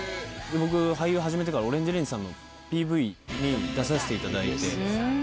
僕俳優始めてからＯＲＡＮＧＥＲＡＮＧＥさんのＰＶに出させていただいて。